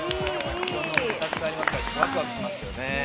いろんなお店たくさんありますからワクワクしますよね。